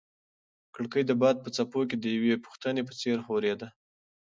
کړکۍ د باد په څپو کې د یوې پوښتنې په څېر ښورېده.